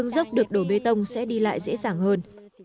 dốc được đổ bê tông sẽ đi lại dễ dàng hơn